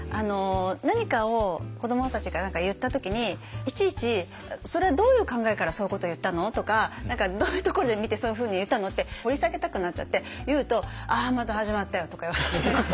何かを子どもたちが言った時にいちいち「それはどういう考えからそういうこと言ったの？」とか「どういうところで見てそういうふうに言ったの？」って掘り下げたくなっちゃって言うと「ああまた始まったよ」とか言われて。